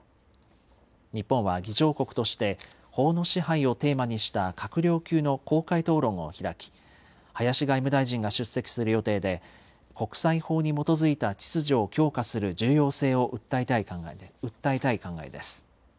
日本は議長国として、法の支配をテーマにした閣僚級の公開討論を開き、林外務大臣が出席する予定で、国際法に基づいた秩序を強化する重要性を訴えたい考えです。